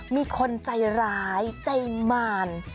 มีคนใจร้ายใจมาร